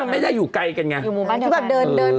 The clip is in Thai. ไม่ได้อยู่ไกลกันไง